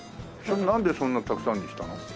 なんでそんなたくさんにしたの？